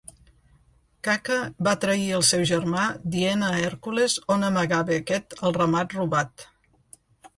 Caca va trair el seu germà dient a Hèrcules on amagava aquest el ramat robat.